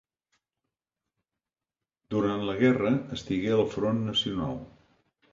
Durant la guerra estigué al front nacional.